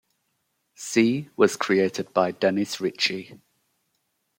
C was created by Dennis Ritchie.